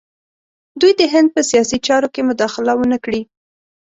دوی د هند په سیاسي چارو کې مداخله ونه کړي.